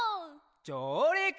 じょうりく！